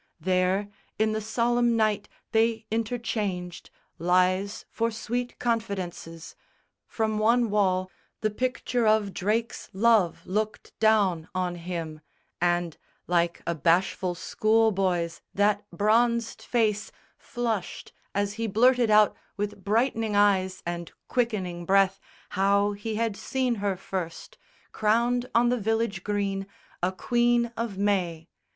There in the solemn night they interchanged Lies for sweet confidences. From one wall The picture of Drake's love looked down on him; And, like a bashful schoolboy's, that bronzed face Flushed as he blurted out with brightening eyes And quickening breath how he had seen her first, Crowned on the village green, a Queen of May.